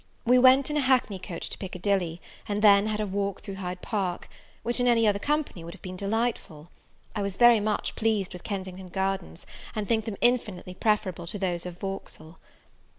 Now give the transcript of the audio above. We went in a hackney coach to Piccadilly, and then had a walk through Hyde Park; which in any other company would have been delightful. I was much pleased with Kensington Gardens, and think them infinitely preferable to those of Vauxhall.